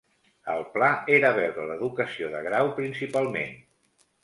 El pla era veure l'educació de grau principalment.